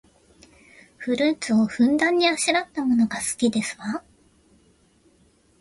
フルーツをふんだんにあしらったものが好きですわ